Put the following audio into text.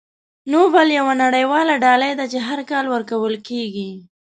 نوبل یوه نړیواله ډالۍ ده چې هر کال ورکول کیږي.